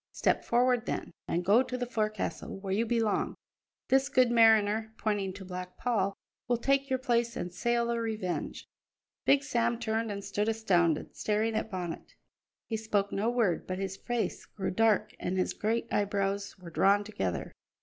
Step forward, then, and go to the fo'castle where you belong; this good mariner," pointing to Black Paul, "will take your place and sail the Revenge." Big Sam turned and stood astounded, staring at Bonnet. He spoke no word, but his face grew dark and his great eyebrows were drawn together.